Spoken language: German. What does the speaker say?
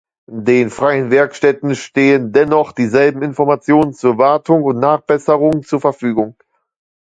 Den freien Werkstätten stehen dennoch dieselben Informationen zu Wartung und Nachbesserung zur Verfügung.